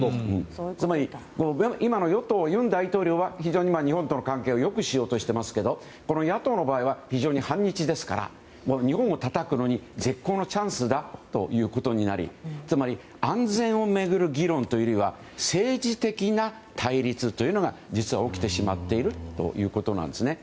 つまり、今の与党の尹大統領は非常に日本との関係を良くしようとしていますけど野党の場合は非常に反日ですから日本をたたくのに絶好のチャンスだということになりつまり、安全を巡る議論というよりは政治的な対立というのが実は起きてしまっているというわけなんです。